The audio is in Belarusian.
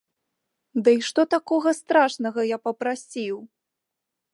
Ды і што такога страшнага я папрасіў?